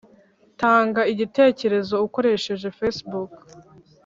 tanga igitekerezo ukoresheje facebook